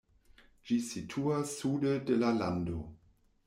Ĝi situas sude de la lando.